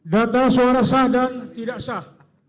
data suara sah dan tidak sah